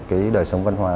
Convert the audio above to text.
cái đời sống văn hóa